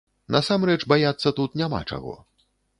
Насамрэч, баяцца тут няма чаго.